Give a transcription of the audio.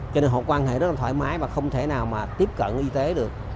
cho nên họ quan hệ rất là thoải mái và không thể nào mà tiếp cận y tế được